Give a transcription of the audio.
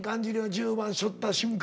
１０番しょった瞬間。